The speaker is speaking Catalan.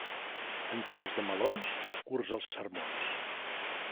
En temps de melons, curts els sermons.